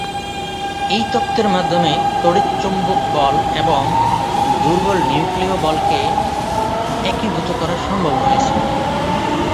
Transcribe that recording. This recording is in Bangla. এই তত্ত্বের মাধ্যমে তড়িৎ চৌম্বক বল এবং দুর্বল নিউক্লীয় বলকে একীভূত করা সম্ভব হয়েছিল।